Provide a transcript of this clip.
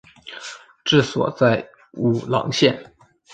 治所在武郎县。